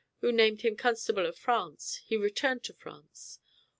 who named him Constable of France, he returned to France.